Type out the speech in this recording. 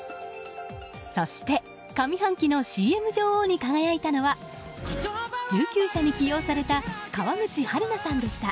そして上半期のＣＭ女王に輝いたのは１９社に起用された川口春奈さんでした。